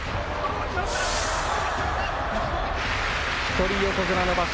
一人横綱の場所